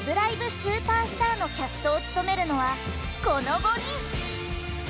スーパースター！！」のキャストを務めるのはこの５人。